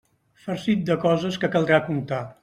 Farcit de coses que caldrà contar.